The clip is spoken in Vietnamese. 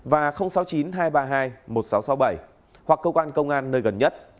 và sáu mươi chín hai trăm ba mươi hai một nghìn sáu trăm sáu mươi bảy hoặc cơ quan công an nơi gần nhất